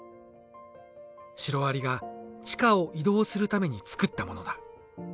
シロアリが地下を移動するために作ったものだ。